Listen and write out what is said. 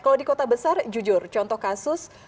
kalau di kota besar jujur contoh kasus